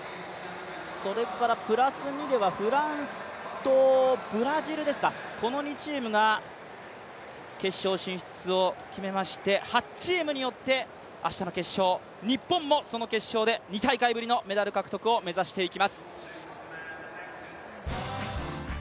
プラス２ではフランスとブラジルですかこの２チームが決勝進出を決めまして８チームによって明日の決勝、日本もその決勝で２大会ぶりのメダル獲得を目指していきます。